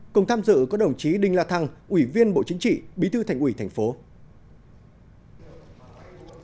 cùng tham dự có đồng chí đinh la thăng ủy viên bộ chính trị bí thư thành ủy thành phố